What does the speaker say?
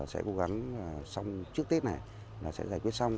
sẽ cố gắng xong trước tết này là sẽ giải quyết xong